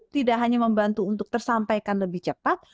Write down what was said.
tidak hanya membantu untuk tersampaikan lebih cepat